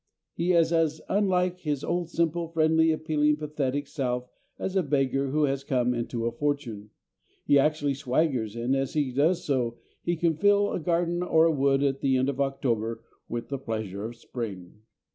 He is as unlike his old simple, friendly, appealing, pathetic self as a beggar who has come into a fortune. He actually swaggers, and, as he does so, he can fill a garden or a wood at the end of October with the pleasure of spring.